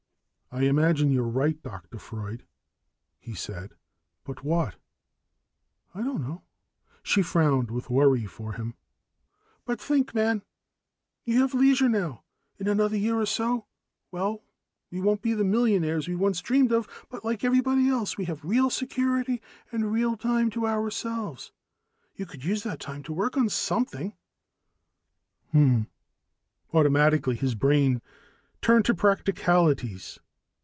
"I imagine you're right, Dr. Freud," he said. "But what?" "I don't know." She frowned with worry for him. "But think, man. We have leisure now in another year or so, well, we won't be the millionaires we once dreamed of, but like everybody else we'll have real security and real time to ourselves. You could use that time to work on something." "Hm " Automatically, his brain turned to practicalities.